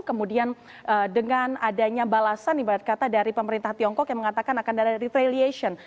kemudian dengan adanya balasan ibarat kata dari pemerintah tiongkok yang mengatakan akan ada retraliation